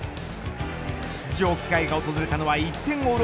出場機会が訪れたのは１点を追う